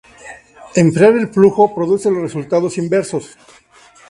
Enfriar el flujo produce los resultados inversos.